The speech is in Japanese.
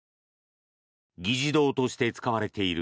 議事堂として使われている